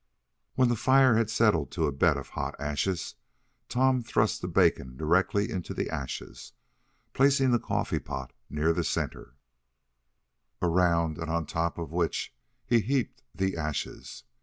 When the fire had settled to a bed of hot ashes Tom thrust the bacon directly into the ashes, placing the coffee pot near the center, around and on top of which he heaped the ashes.